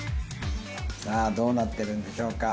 さあどうなってるんでしょうか。